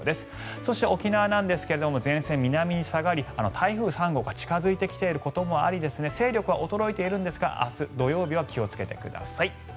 そして沖縄なんですが前線、南に下がり台風３号が近付いてきていることもあり勢力は衰えていますが明日土曜日は気をつけてください。